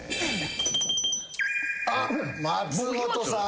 あっ松本さん。